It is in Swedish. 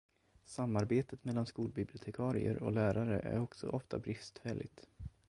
Samarbetet mellan skolbibliotekarier och lärare är också ofta bristfälligt.